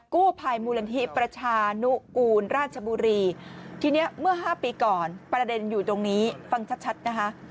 กู้ภัยมูลนิธิประชานุกูลราชบุรีทีนี้เมื่อ๕ปีก่อนประเด็นอยู่ตรงนี้ฟังชัดนะคะ